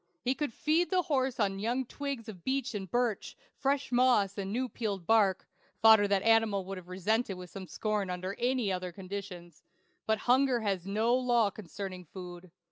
He could feed the horse on young twigs of beech and birch; fresh moss, and new peeled bark (fodder the animal would have resented with scorn under any other conditions); but hunger has no law concerning food.